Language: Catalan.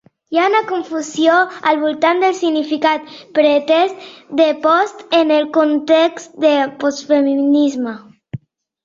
Hi ha un confusió al voltant del significat pretès de "post" en el context de "postfeminisme".